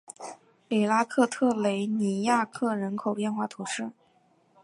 里拉克特雷尼亚克人口变化图示